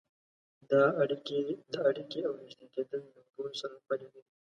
دا اړيکې او نږدې کېدل له ننګونو هم خالي نه دي.